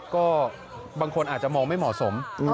ก็บางคนอาจจะมองไม่เหมาะสม